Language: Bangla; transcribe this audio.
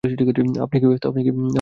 আপনি কি ব্যস্ত?